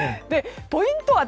ポイント